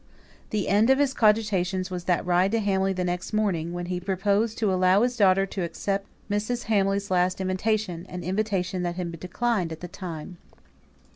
The end of his cogitations was that ride to Hamley the next morning, when he proposed to allow his daughter to accept Mrs. Hamley's last invitation an invitation that had been declined at the time.